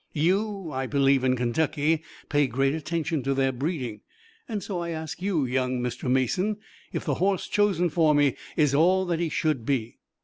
You, I believe, in Kentucky, pay great attention to their breeding, and so I ask you, young Mr. Mason, if the horse chosen for me is all that he should be."